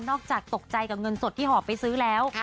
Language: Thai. อกจากตกใจกับเงินสดที่หอบไปซื้อแล้ว